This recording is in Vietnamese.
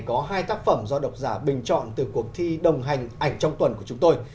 có hai tác phẩm do độc giả bình chọn từ cuộc thi đồng hành ảnh trong tuần của chúng tôi